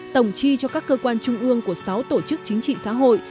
tổng tri cho các cơ quan trung ương của sáu tổ chức xã hội